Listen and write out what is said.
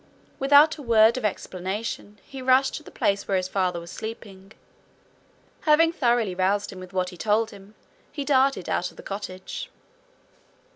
Without a word of explanation, he rushed to the place where his father was sleeping. Having thoroughly roused him with what he told him he darted out of the cottage.